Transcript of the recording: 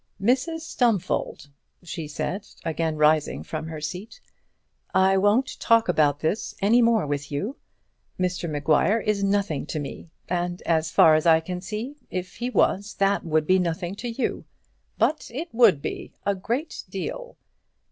"Mrs Stumfold," she said, again rising from her seat, "I won't talk about this any more with you. Mr Maguire is nothing to me; and, as far as I can see, if he was, that would be nothing to you." "But it would, a great deal."